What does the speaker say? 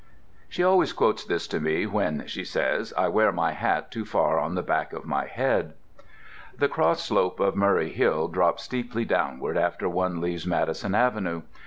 She always quotes this to me when (she says) I wear my hat too far on the back of my head. The cross slope of Murray Hill drops steeply downward after one leaves Madison Avenue.